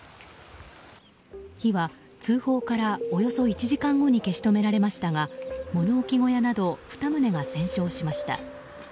火は通報からおよそ１時間後に消し止められましたが物置小屋など２棟が全焼しました。